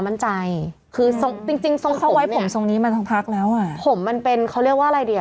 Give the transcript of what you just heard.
เป็นคนอะผสมทรงนึงทำให้เขาดูดี